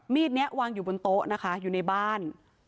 มีดนี้วางอยู่บนโต๊ะนะคะอยู่ในบ้าน